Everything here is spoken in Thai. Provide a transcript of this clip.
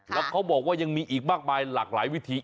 แล้วเขาบอกว่ายังมีอีกมากมายหลากหลายวิธี